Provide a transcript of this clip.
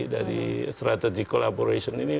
dari strategi kolaborasi ini